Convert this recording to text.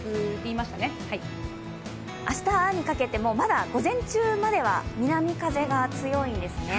明日にかけても、まだ午前中までは南風が強いんですね。